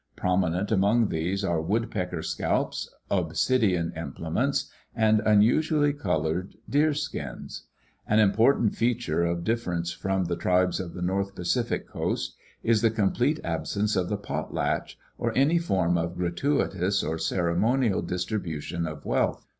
Prominent among these are woodpecker scalps, obsidian implements, and unusually colored deer skins. An important feature of differ ence from the tribes of the North Pacific coast is the complete absence of the potlatch or any form of gratuitous or ceremonial distribution of wealth.